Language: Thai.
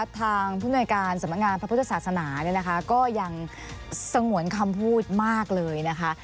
ทางผู้หน่วยการสำนักงานพระพุทธศาสนาเนี่ยนะคะก็ยังสงวนคำพูดมากเลยนะคะ